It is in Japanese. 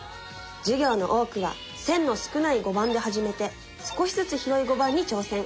授業の多くは線の少ない碁盤で始めて少しずつ広い碁盤に挑戦。